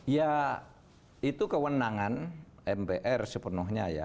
ya itu kewenangan mpr sepenuhnya ya